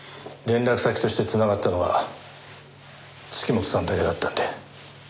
連絡先として繋がったのは月本さんだけだったんで。